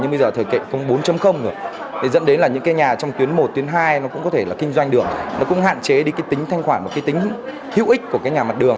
nhưng bây giờ thời kỳ không bốn nữa thì dẫn đến là những cái nhà trong tuyến một tuyến hai nó cũng có thể là kinh doanh đường nó cũng hạn chế đi cái tính thanh khoản và cái tính hữu ích của cái nhà mặt đường